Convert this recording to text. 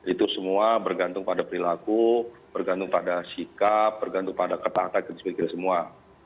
itu semua bergantung pada perilaku bergantung pada sikap bergantung pada ketaatan dan sebagainya semua